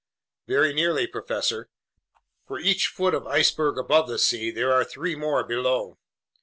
"Very nearly, professor. For each foot of iceberg above the sea, there are three more below.